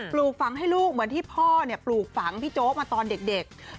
ปลูกฝังให้ลูกเหมือนที่พ่อปลูกฝังพี่โจ๊กมาตอนเด็ก